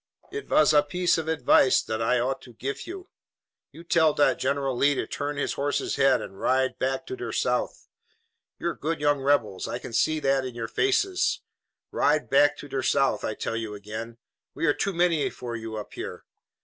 "It vas a piece of advice dot I ought to gif you. You tell dot General Lee to turn his horse's head and ride back to der South. You are good young rebels. I can see it by your faces. Ride back to der South, I tell you again. We are too many for you up here.